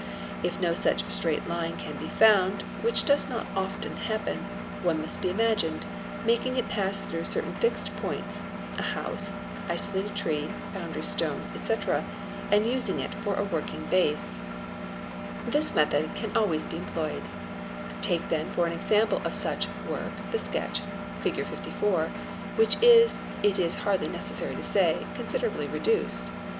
If no such straight line can ~ be found—which does not often happen—one must be imagined, making it 'pass through certain fixed points (a house, isolated tree, boundary stone, _ €tc.) and using it for a working base. This method can always be employed, 7 59 466 DRAWING AND ALLIED ARTS Sy, S My \ ee: . Ste Fig. 84. Take then for an example of such work the sketch Fig. 84 which is, it is hardly necessary to say, considerably reduced.